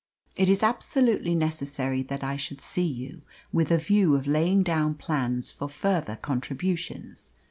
It is absolutely necessary that I should see you, with a view of laying down plans for further contributions.